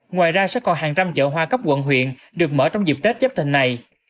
ngoài ra sẽ còn hàng trăm chợ hoa cấp quận huyện được mở trong dịp tết chấp thành này